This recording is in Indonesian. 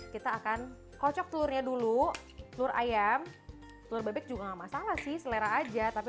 kita akan kocok telurnya dulu telur ayam telur bebek juga enggak masalah sih selera aja tapi